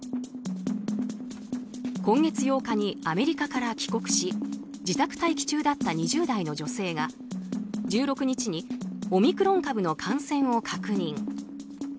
今月８日にアメリカから帰国し自宅待機中だった２０代の女性が１６日にオミクロン株の感染を確認。